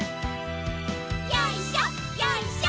よいしょよいしょ。